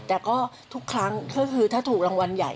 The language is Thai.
แต่ก็ทุกครั้งก็คือถ้าถูกรางวัลใหญ่